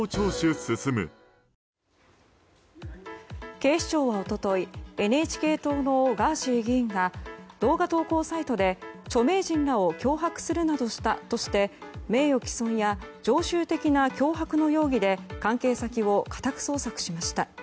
警視庁は一昨日ＮＨＫ党のガーシー議員が動画投稿サイトで著名人らを脅迫するなどしたとして名誉毀損や常習的な脅迫の容疑で関係先を家宅捜索しました。